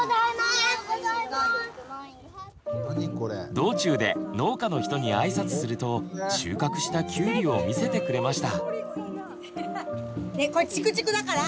道中で農家の人に挨拶すると収穫した「きゅうり」を見せてくれました。